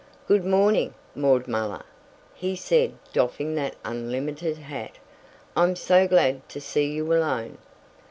"Good morning, Maud Muller," he said doffing that unlimited hat. "I'm so glad to see you alone."